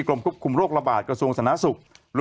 กรมคุมโรคระบาดกระทรวงสนาศุคกร์